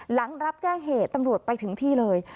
หลังรับแจ้งเหตุตำรวจไปถึงที่เลย